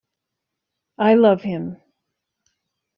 I love him.